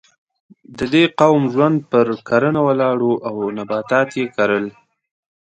د دې قوم ژوند پر کرنه ولاړ و او نباتات یې کرل.